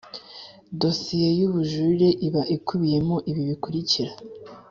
Dosiye y ubujurire iba ikubiyemo ibi bikurikira